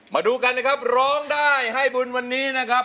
มาดูกันนะครับร้องได้ให้บุญวันนี้นะครับ